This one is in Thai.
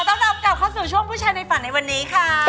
ต้อนรับกลับเข้าสู่ช่วงผู้ชายในฝันในวันนี้ค่ะ